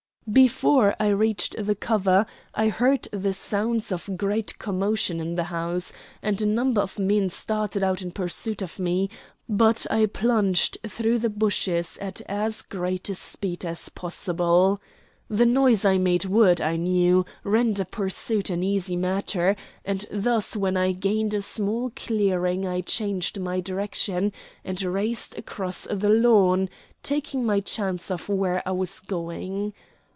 Before I reached the cover I heard the sounds of great commotion in the house, and a number of men started out in pursuit of me, but I plunged through the bushes at as great a speed as possible. The noise I made would, I knew, render pursuit an easy matter, and thus when I gained a small clearing I changed my direction, and raced across the lawn, taking my chance of where I was going.